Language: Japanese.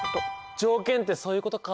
条件ってそういうことか。